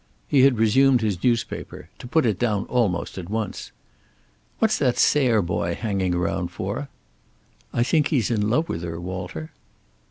He had resumed his newspaper, to put it down almost at once. "What's that Sayre boy hanging around for?" "I think he's in love with her, Walter."